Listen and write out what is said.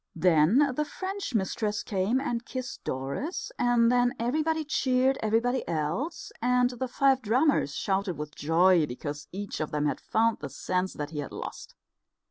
Then the French mistress came and kissed Doris, and then everybody cheered everybody else; and the five drummers shouted with joy, because each of them had found the sense that he had lost.